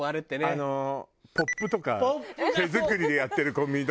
ポップとか手作りでやってるコンビニとかね